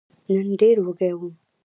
نن ډېر وږی وم !